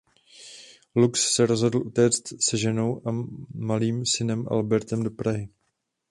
Lux se rozhodl utéct se ženou a malým synem Albertem do Prahy.